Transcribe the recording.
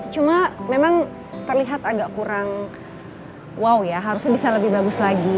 cuma memang terlihat agak kurang wow ya harusnya bisa lebih bagus lagi